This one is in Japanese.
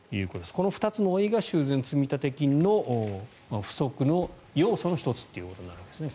この２つの老いが修繕積立金の不足の要素の１つということになるわけですね。